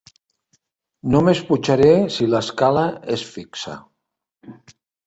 Només pujaré si l'escala és fixa.